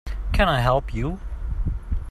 Can I help you?